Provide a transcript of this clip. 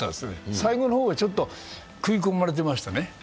最後の方はちょっと食い込まれてましたね。